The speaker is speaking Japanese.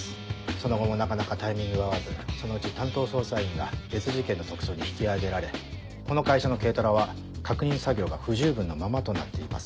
その後もなかなかタイミングが合わずそのうち担当捜査員が別事件の特捜に引き上げられこの会社の軽トラは確認作業が不十分なままとなっています。